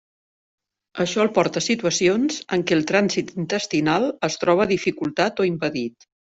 Això el porta a situacions en què el trànsit intestinal es troba dificultat o impedit.